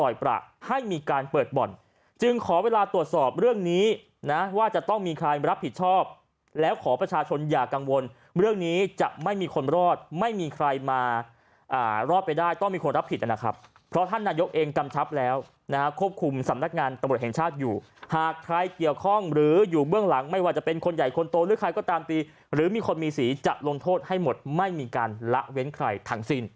อยประให้มีการเปิดบ่อนจึงขอเวลาตรวจสอบเรื่องนี้นะว่าจะต้องมีใครรับผิดชอบแล้วขอประชาชนอย่ากังวลเรื่องนี้จะไม่มีคนรอดไม่มีใครมารอดไปได้ต้องมีคนรับผิดนะครับเพราะท่านนายกเองกำชับแล้วนะครับควบคุมสำนักงานตรวจแห่งชาติอยู่หากใครเกี่ยวข้องหรืออยู่เบื้องหลังไม่ว่าจะเป็นคนใหญ่คนโตหรือใครก็ต